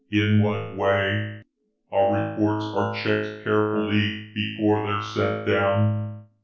"In what way? Our reports are checked carefully before they're sent down.